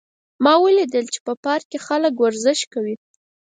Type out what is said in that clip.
ما ولیدل چې په پارک کې خلک ورزش کوي